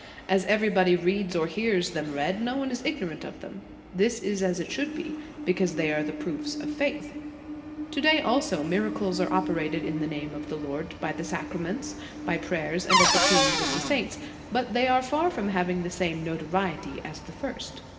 As everybody reads or hears them read, no one is ignorant of them. This is as it should be, because they are the proofs of faith. "To day, also, miracles are operated in the name of the Lord, by the sacraments, by 192 The Sign of Ike Cross. 193 prayers, and at the tombs of the saints, but they are far from having the same notoriety as the first.